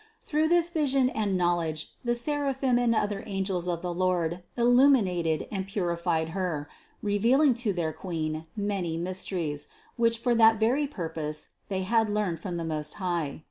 Through this vision and knowledge the seraphim and other angels of the Lord illuminated and purified Her, revealing to their Queen many mysteries, which for that very purpose they had learned from the Most High.